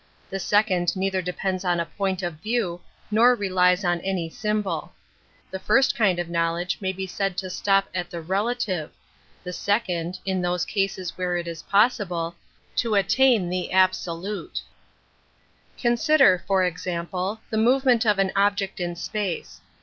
The second neither depends on a point of view nor relies on any symbol. The first kind of knowledge may be said to stop at the relative; the second, in those cases where it is possible, to attain the absolute. I An Introduction to Consider, for example, the movement of an object in space.